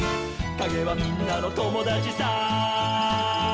「かげはみんなのともだちさ」